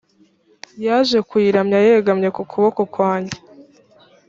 yaje kuyiramya yegamye ku kuboko kwanjye